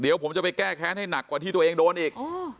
เดี๋ยวผมจะไปแก้แค้นให้หนักกว่าที่ตัวเองโดนอีก